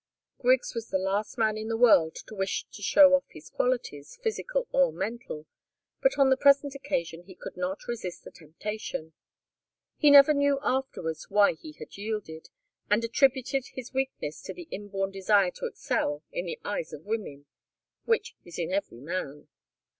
Griggs was the last man in the world to wish to show off his qualities, physical or mental, but on the present occasion he could not resist the temptation. He never knew afterwards why he had yielded, and attributed his weakness to the inborn desire to excel in the eyes of women, which is in every man.